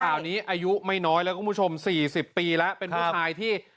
อาหารอายุไม่น้อยแล้วคุณผู้ชมสี่สิบปีละเป็นผู้ชายที่